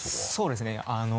そうですね